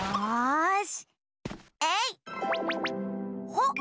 ほっ！